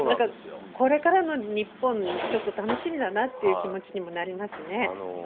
これからの日本ちょっと楽しみだなという気持ちになりますね。